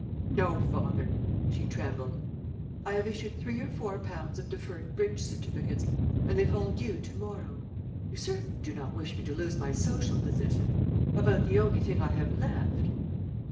"No, father," she trembled. "I have issued three or four pounds of deferred bridge certificates, and they fall due to morrow. You certainly do not wish me to lose my social position about the only thing I have left?"